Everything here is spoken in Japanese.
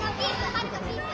はるかピース！